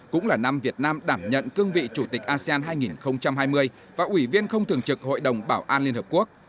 cũng là năm việt nam đảm nhận cương vị chủ tịch asean hai nghìn hai mươi và ủy viên không thường trực hội đồng bảo an liên hợp quốc